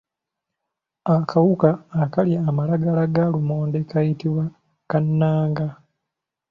Akawuka akalya amalagala ga lumonde kayitibwa kannanga.